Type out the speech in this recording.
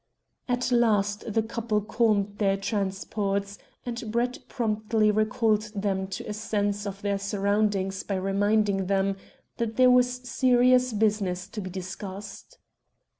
At last the couple calmed their transports, and Brett promptly recalled them to a sense of their surroundings by reminding them that there was serious business to be discussed.